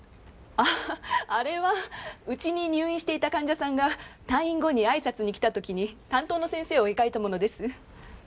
あああれはうちに入院していた患者さんが退院後に挨拶に来た時に担当の先生を描いたものです。